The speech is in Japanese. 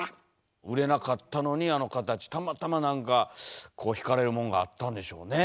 売れなかったのにあの形たまたま何か惹かれるもんがあったんでしょうね。